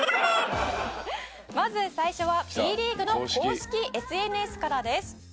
「まず最初はＢリーグの公式ＳＮＳからです」